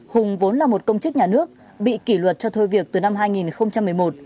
hùng vốn là một công chức nhà nước bị kỷ luật cho thôi việc từ năm hai nghìn một mươi một